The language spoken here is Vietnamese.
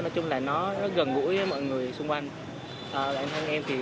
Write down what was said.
nói chung là nó gần gũi với mọi người xung quanh